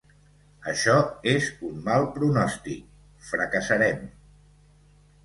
Això és un mal pronòstic: fracassarem.